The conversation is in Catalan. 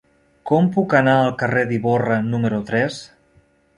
Com puc anar al carrer d'Ivorra número tres?